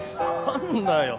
何だよ。